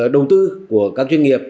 đầu tư của các doanh nghiệp